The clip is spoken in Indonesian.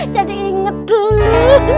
jadi inget dulu